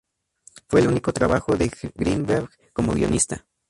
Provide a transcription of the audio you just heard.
Fue el único trabajo de Grinberg como guionista.